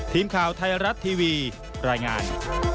ทีมข่าวไทยรัฐทีวีรายงาน